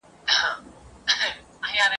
ما خپل هر څه د قسمت